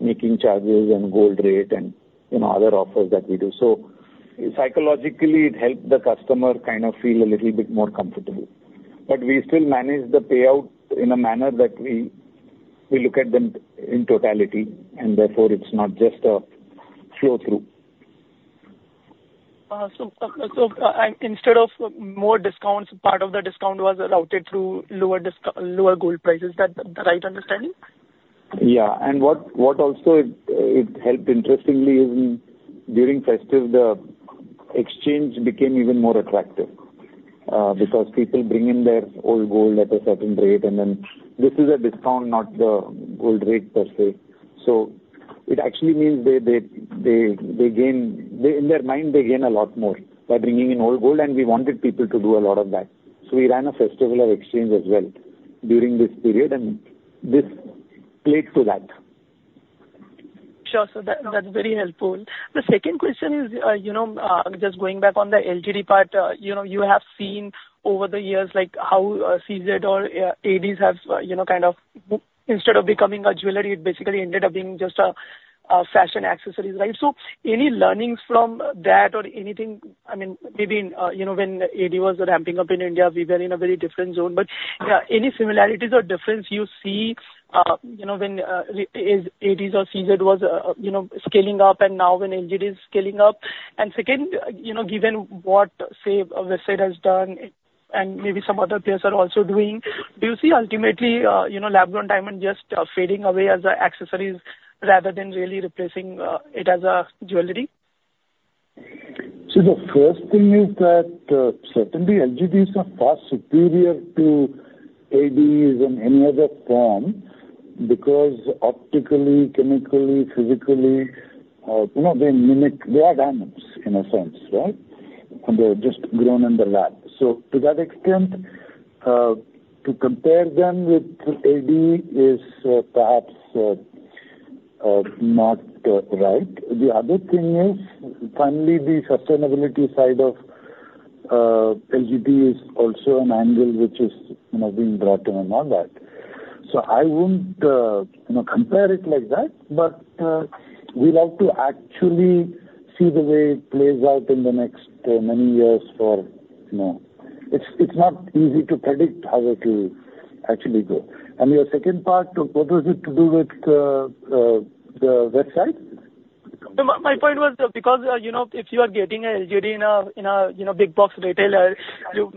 making charges and gold rate and other offers that we do. So psychologically, it helped the customer kind of feel a little bit more comfortable. But we still manage the payout in a manner that we look at them in totality and therefore it's not just a flow-through. So instead of more discounts, part of the discount was routed through lower gold prices. Is that the right understanding? Yeah. And what also it helped interestingly is during festive, the exchange became even more attractive because people bring in their old gold at a certain rate and then this is a discount, not the gold rate per se. So it actually means they gain in their mind, they gain a lot more by bringing in old gold. And we wanted people to do a lot of that. So we ran a Festival of Exchange as well during this period and this played to that. Sure. So that's very helpful. The second question is just going back on the LGD part. You have seen over the years how CZ or ADs have kind of instead of becoming jewelry, it basically ended up being just fashion accessories, right? So any learnings from that or anything? I mean, maybe when AD was ramping up in India, we were in a very different zone. But any similarities or difference you see when ADs or CZ was scaling up and now when LGD is scaling up? And second, given what say Westside has done and maybe some other players are also doing, do you see ultimately lab-grown diamond just fading away as accessories rather than really replacing it as jewelry? See, the first thing is that certainly LGDs are far superior to ADs in any other form because optically, chemically, physically, they mimic that they are diamonds in a sense, right? And they're just grown in the lab. So to that extent, to compare them with AD is perhaps not right. The other thing is finally the sustainability side of LGD is also an angle which is being brought in and all that. So I won't compare it like that, but we like to actually see the way it plays out in the next many years because it's not easy to predict how it will actually go. And your second part, what was it to do with the Westside? My point was because if you are getting a LGD in a big box retailer,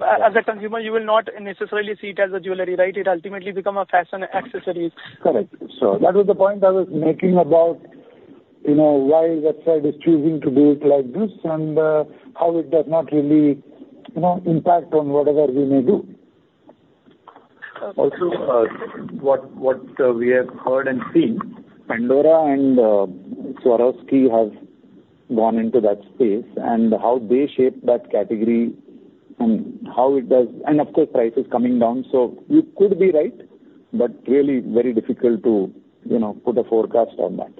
as a consumer, you will not necessarily see it as a jewelry, right? It ultimately becomes fashion accessories. Correct. So that was the point I was making about why Westside is choosing to do it like this and how it does not really impact on whatever we may do. Also, what we have heard and seen, Pandora and Swarovski have gone into that space and how they shape that category and how it does and of course, price is coming down. So you could be right, but really very difficult to put a forecast on that.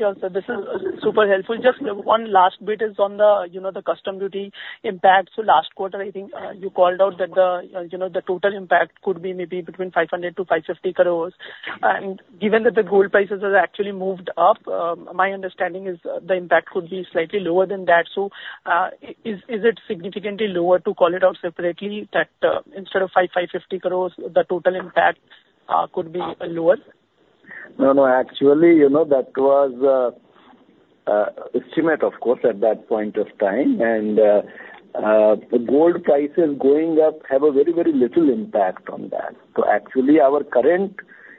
Sure. So this is super helpful. Just one last bit is on the customs duty impact. So last quarter, I think you called out that the total impact could be maybe between 500-550 crores. And given that the gold prices have actually moved up, my understanding is the impact could be slightly lower than that. So is it significantly lower to call it out separately that instead of 550 crores, the total impact could be lower? No, no. Actually, that was an estimate, of course, at that point of time, and gold prices going up have a very, very little impact on that, so actually, our current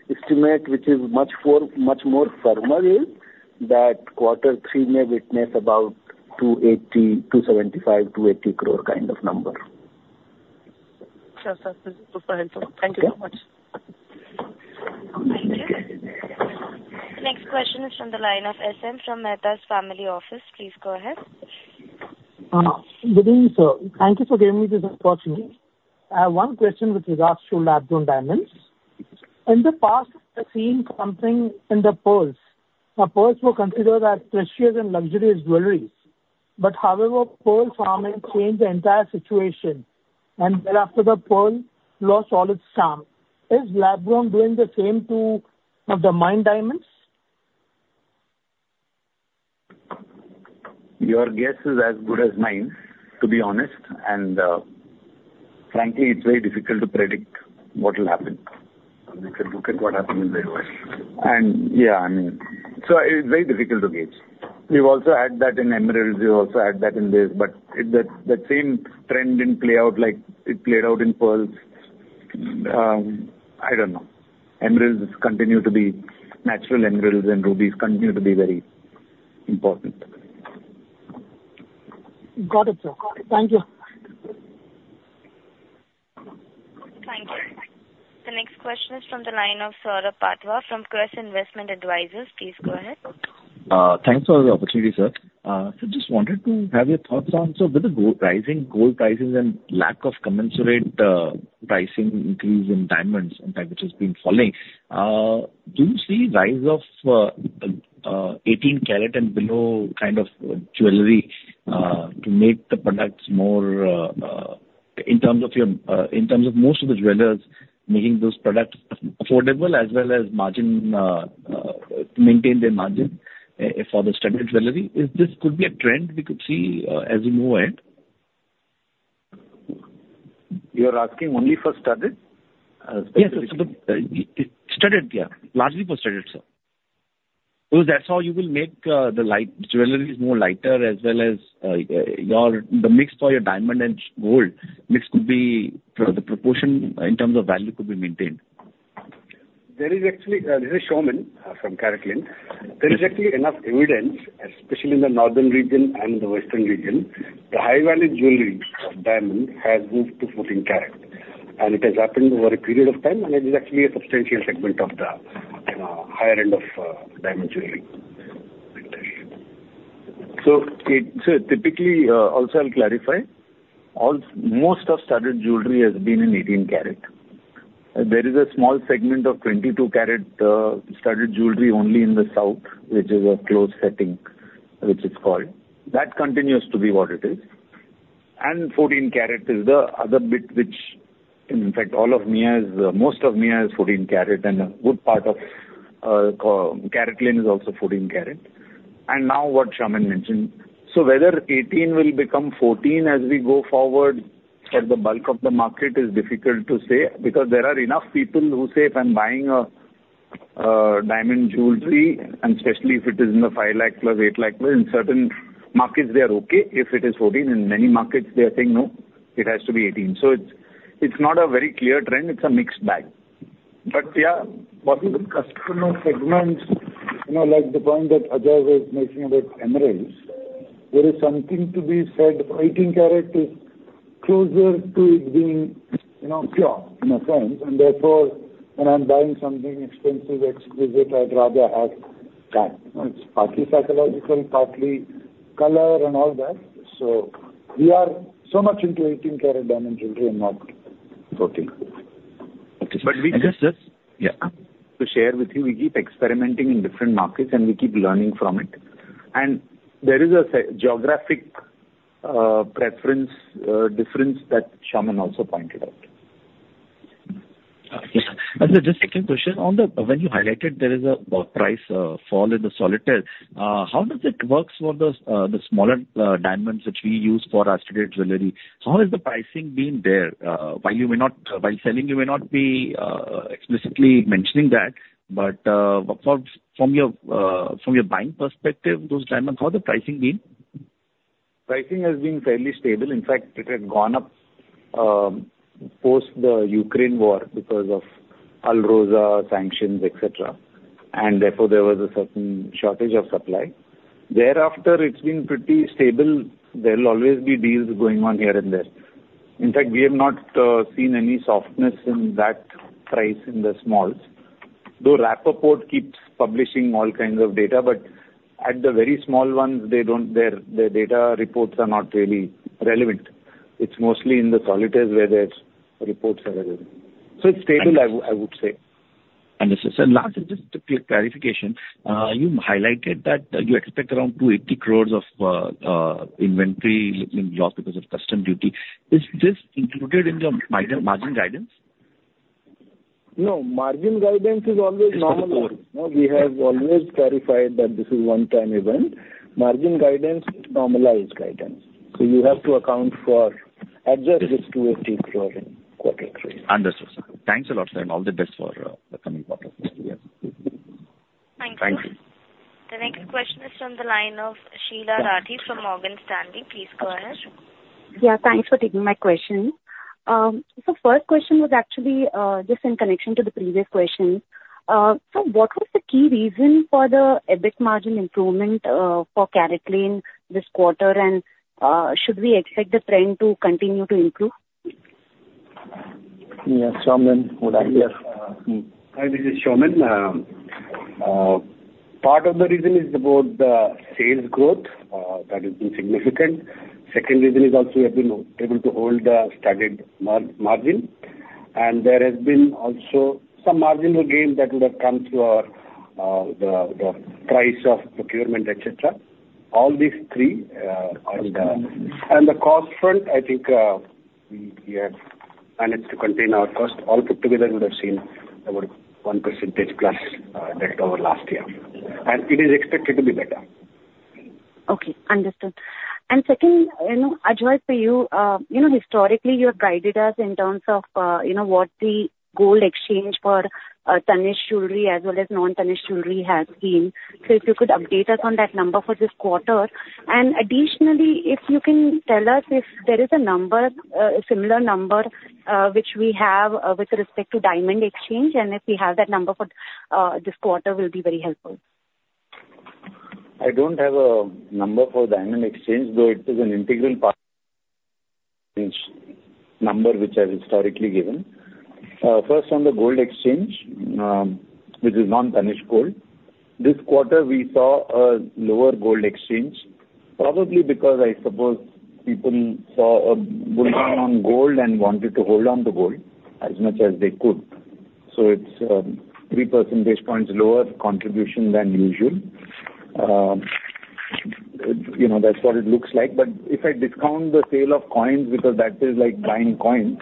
estimate, which is much more formal, is that quarter three may witness about 275-280 carat kind of number. Sure. So this is super helpful. Thank you so much. Thank you. Next question is from the line of SM from Mehta's Family Office. Please go ahead. Good evening, sir. Thank you for giving me this opportunity. I have one question with regards to lab-grown diamonds. In the past, we have seen something in the pearls. Now, pearls were considered as precious and luxurious jewelry. But however, pearl farming changed the entire situation, and thereafter the pearl lost all its charm. Is lab-grown doing the same to the mined diamonds? Your guess is as good as mine, to be honest. And frankly, it's very difficult to predict what will happen. I mean, if you look at what happened in the U.S. And yeah, I mean, so it's very difficult to gauge. We've also had that in emeralds. We've also had that in this. But that same trend didn't play out like it played out in pearls. I don't know. Emeralds continue to be natural emeralds, and rubies continue to be very important. Got it, sir. Thank you. Thank you. The next question is from the line of Swaroop from KRC. Please go ahead. Thanks for the opportunity, sir. So just wanted to have your thoughts on, so with the rising gold prices and lack of commensurate pricing increase in diamonds, which has been falling, do you see the rise of 18-karat and below kind of jewelry to make the products more in terms of most of the jewelers, making those products affordable as well as maintain their margin for the standard jewelry? This could be a trend we could see as we move ahead? You're asking only for studded? Yes, studded, yeah. Largely for studded, sir. Because that's how you will make the jewelry more lighter as well as the mix for your diamond and gold mix could be the proportion in terms of value could be maintained. This is Saumen from CaratLane. There is actually enough evidence, especially in the northern region and the western region. The high-value jewelry of diamond has moved to 14-karat. It has happened over a period of time, and it is actually a substantial segment of the higher end of diamond jewelry. So typically, also I'll clarify, most of studded jewelry has been in 18-karat. There is a small segment of 22-karat studded jewelry only in the south, which is a closed setting, which is called. That continues to be what it is. And 14-karat is the other bit which, in fact, all of Mia's most of Mia's 14-karat and a good part of CaratLane is also 14-karat. And now what Saumen mentioned, so whether 18 will become 14 as we go forward for the bulk of the market is difficult to say because there are enough people who say, "If I'm buying a diamond jewelry," and especially if it is in the five lakh plus eight lakh plus, in certain markets, they are okay. If it is 14, in many markets, they are saying, "No, it has to be 18." So it's not a very clear trend. It's a mixed bag. But yeah, what is the customer segment? Like the point that Ajoy was making about emeralds, there is something to be said. 18-karat is closer to it being pure in a sense. And therefore, when I'm buying something expensive, exquisite, I'd rather have that. It's partly psychological, partly color and all that. So we are so much into 18-karat diamond jewelry and not 14. But we just, yeah, to share with you, we keep experimenting in different markets, and we keep learning from it. And there is a geographic preference difference that Saumen also pointed out. Yes. Just a quick question. When you highlighted there is a price fall in the solitaire, how does it work for the smaller diamonds which we use for studded jewelry? How has the pricing been there? While you may not, while selling, you may not be explicitly mentioning that. But from your buying perspective, those diamonds, how has the pricing been? Pricing has been fairly stable. In fact, it has gone up post the Ukraine war because of Alrosa sanctions, etc., and therefore, there was a certain shortage of supply. Thereafter, it's been pretty stable. There will always be deals going on here and there. In fact, we have not seen any softness in that price in the smalls. Though Rapaport keeps publishing all kinds of data, but at the very small ones, their data reports are not really relevant. It's mostly in the solitaires where their reports are relevant, so it's stable, I would say. Just a quick clarification, you highlighted that you expect around 280 crores of inventory loss because of customs duty. Is this included in the margin guidance? No, margin guidance is always normalized. We have always clarified that this is a one-time event. Margin guidance is normalized guidance. So you have to account for adjust this INR 280 crores in quarter three. Understood, sir. Thanks a lot, sir. And all the best for the coming quarter. Thank you. Thank you. The next question is from the line of Sheela Rathi from Morgan Stanley. Please go ahead. Yeah, thanks for taking my question. So first question was actually just in connection to the previous question. So what was the key reason for the EBIT margin improvement for CaratLane this quarter, and should we expect the trend to continue to improve? Yes, Saumen, would I hear? Hi, this is Saumen. Part of the reason is about the sales growth that has been significant. The second reason is also we have been able to hold the studded margin, and there has been also some margin regain that would have come through the price of procurement, etc. All these three are the cost front. I think we have managed to contain our cost. All put together, we would have seen about 1% plus delta over last year, and it is expected to be better. Okay. Understood. And second, Ajoy, for you, historically, you have guided us in terms of what the gold exchange for Tanishq jewelry as well as non-Tanishq jewelry has been. So if you could update us on that number for this quarter. And additionally, if you can tell us if there is a similar number which we have with respect to diamond exchange, and if we have that number for this quarter, it will be very helpful. I don't have a number for diamond exchange, though it is an integral part of the number which I've historically given. First, on the gold exchange, which is non-Tanishq gold, this quarter, we saw a lower gold exchange, probably because I suppose people saw a bull run on gold and wanted to hold on to gold as much as they could. So it's 3 percentage points lower contribution than usual. That's what it looks like. But if I discount the sale of coins because that is like buying coins,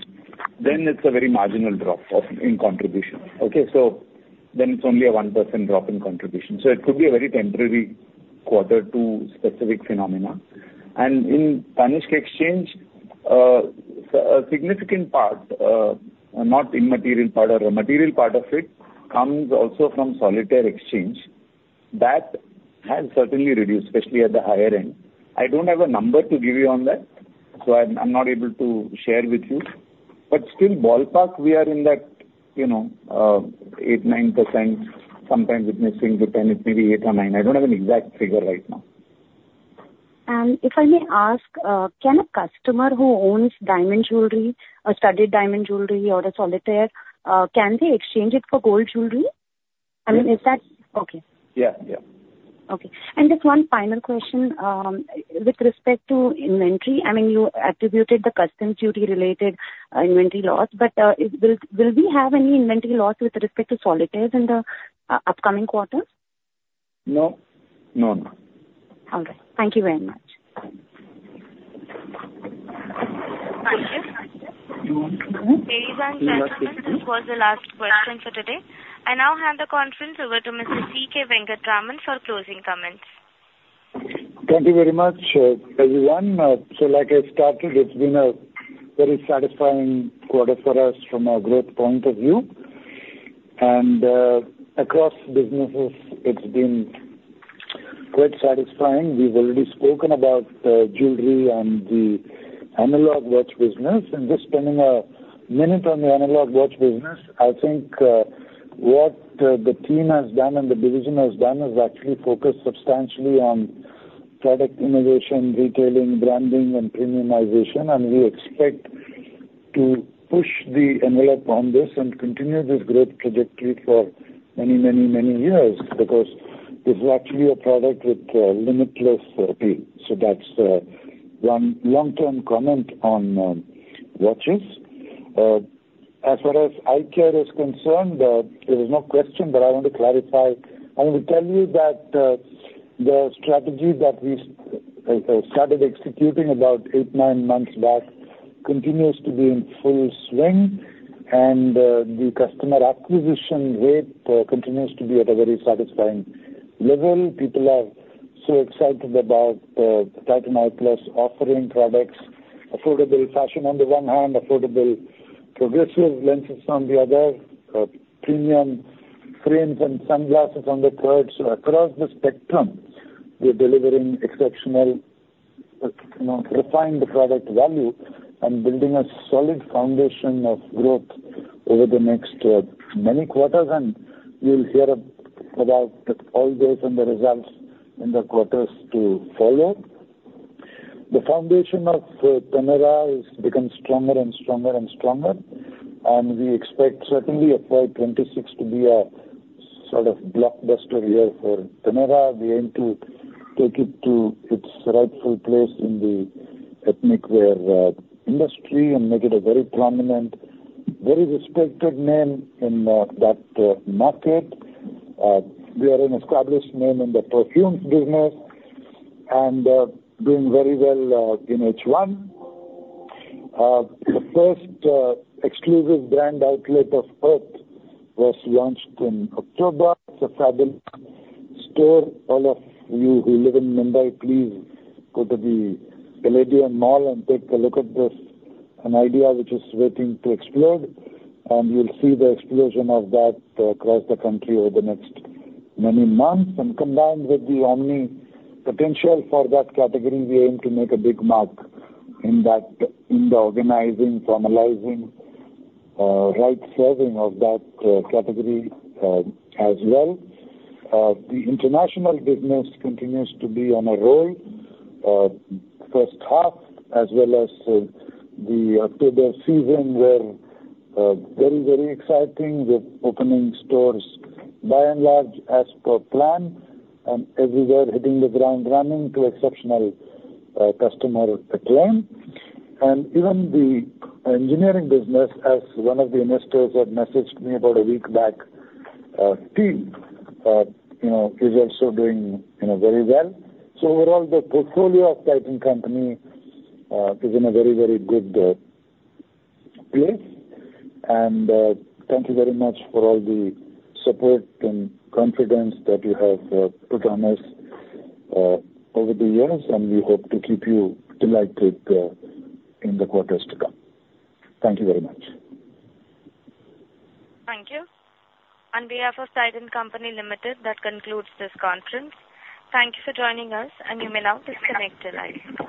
then it's a very marginal drop in contribution. Okay? So then it's only a 1% drop in contribution. So it could be a very temporary quarter to specific phenomena. And in Tanishq exchange, a significant part, not immaterial part, or a material part of it, comes also from solitaire exchange. That has certainly reduced, especially at the higher end. I don't have a number to give you on that, so I'm not able to share with you. But still, ballpark, we are in that 8-9%, sometimes it may swing to 10%, maybe 8% or 9%. I don't have an exact figure right now. If I may ask, can a customer who owns diamond jewelry, a studded diamond jewelry or a solitaire, can they exchange it for gold jewelry? I mean, is that okay? Yeah, yeah. Okay, and just one final question with respect to inventory. I mean, you attributed the customs duty-related inventory loss, but will we have any inventory loss with respect to solitaires in the upcoming quarter? No. No, no. All right. Thank you very much. Thank you. Ladies and gentlemen, this was the last question for today. I now hand the conference over to Mr. C. K. Venkataraman for closing comments. Thank you very much, everyone. So like I started, it's been a very satisfying quarter for us from a growth point of view. And across businesses, it's been quite satisfying. We've already spoken about the jewelry and the analog watch business. And just spending a minute on the analog watch business, I think what the team has done and the division has done is actually focused substantially on product innovation, retailing, branding, and premiumization. And we expect to push the envelope on this and continue this growth trajectory for many, many, many years because this is actually a product with limitless appeal. So that's one long-term comment on watches. As far as eyecare is concerned, there was no question, but I want to clarify. I want to tell you that the strategy that we started executing about eight, nine months back continues to be in full swing. And the customer acquisition rate continues to be at a very satisfying level. People are so excited about Titan Eye+'s offering products, affordable fashion on the one hand, affordable progressive lenses on the other, premium frames and sunglasses on the third. So across the spectrum, we're delivering exceptional refined product value and building a solid foundation of growth over the next many quarters. And you'll hear about all those and the results in the quarters to follow. The foundation of Taneira has become stronger and stronger and stronger. And we expect certainly FY26 to be a sort of blockbuster year for Taneira. We aim to take it to its rightful place in the ethnic wear industry and make it a very prominent, very respected name in that market. We are an established name in the perfumes business and doing very well in H1. The first exclusive brand outlet of IRTH was launched in October. It's a fabulous store. All of you who live in Mumbai, please go to the Palladium Mall and take a look at this, an idea which is waiting to explode. You'll see the explosion of that across the country over the next many months. Combined with the omni potential for that category, we aim to make a big mark in the organizing, formalizing, right-serving of that category as well. The international business continues to be on a roll. First half, as well as the October season, were very, very exciting with opening stores by and large as per plan. Everywhere hitting the ground running to exceptional customer acclaim. Even the engineering business, as one of the investors had messaged me about a week back, is also doing very well. So overall, the portfolio of Titan Company is in a very, very good place. And thank you very much for all the support and confidence that you have put on us over the years. And we hope to keep you delighted in the quarters to come. Thank you very much. Thank you. On behalf of Titan Company Limited, that concludes this conference. Thank you for joining us, and you may now disconnect the line.